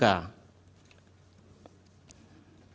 nah ini adalah pkpu